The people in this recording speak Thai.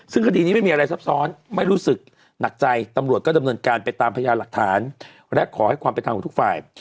ซึ่งคดีนี้ไม่มีอะไรซับซ้อนไม่รู้สึกหนักใจตำรวจก็ดำเนินการไปตามพยานหลักฐานและขอให้ความเป็นธรรมกับทุกฝ่าย